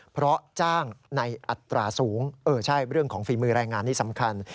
เพราะจ้างในอัตราสูงเออใช่เรื่องของฝีมือแรงงานนี่สำคัญ